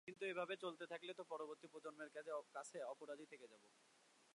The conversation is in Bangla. কিন্তু এভাবে চলতে থাকলে তো পরবর্তী প্রজন্মের কাছে অপরাধী থেকে যাব।